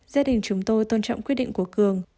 gia đình chúng tôi tôn trọng quyết định của cường